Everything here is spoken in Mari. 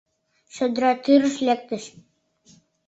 Чодыра тӱрыш лектыч.